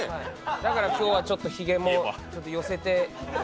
だから今日はちょっとひげも、寄せて。